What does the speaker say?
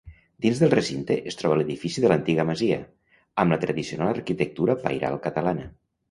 Dins del recinte es troba l'edifici de l'antiga masia, amb la tradicional arquitectura pairal catalana.